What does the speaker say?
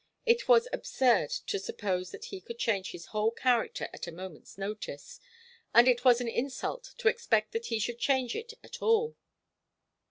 It was absurd to suppose that he could change his whole character at a moment's notice, and it was an insult to expect that he should change it at all.